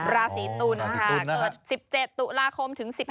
เกิด๑๗ตุลาคมถึง